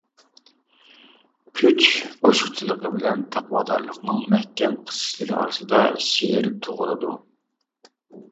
كۈچ ئوشۇقچىلىقى بىلەن تەقۋادارلىقنىڭ مەھكەم قىسىشلىرى ئارىسىدا شېئىر تۇغۇلىدۇ.